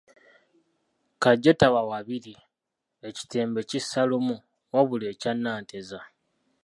Kaggye taba wabiri, ekitembe kissa lumu, wabula ekya Nanteza.